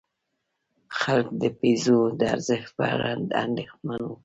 خلک د پیزو د ارزښت په اړه اندېښمن وو.